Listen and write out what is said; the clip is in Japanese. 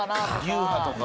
流派とか？